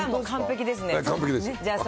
完璧です。